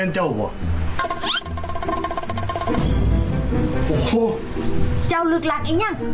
เจ้าเลือกหลักเองยัง